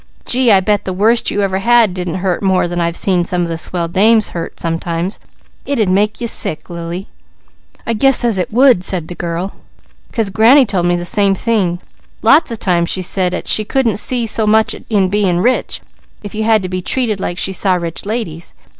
Gee, I bet the worst you ever had didn't hurt more than I've seen some of the swell dames hurt sometimes. It'd make you sick Lily." "I guess 'at it would," said the girl, "'cause granny told me the same thing. Lots of times she said 'at she couldn't see so much in bein' rich if you had to be treated like she saw rich ladies.